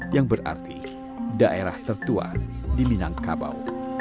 yang berarti daerah tertua di minangkabau